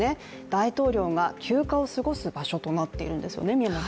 大統領が休暇を過ごす場所となっているんですよね。